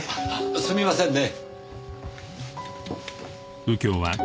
すみませんね。